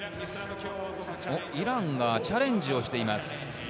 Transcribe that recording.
イランがチャレンジをしています。